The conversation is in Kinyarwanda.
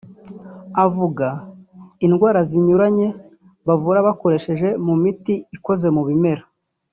avuga indwara zinyuranye bavura bakoresheje imiti ikoze mu bimera